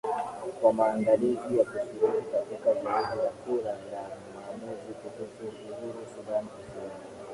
kwa mandalizi ya kushiriki katika zoezi la kura ya maamuzi kuhusu uhuru sudan kusini